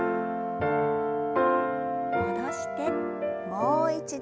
戻してもう一度。